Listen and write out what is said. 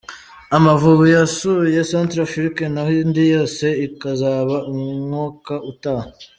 Amavubi yasuye Centrafrique naho indi yose ikazaba umwaka utaha.